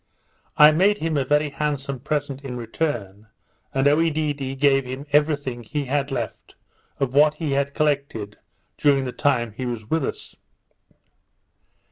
I made him a very handsome present in return, and Oedidee gave him every thing he had left of what he had collected during the time he was with us.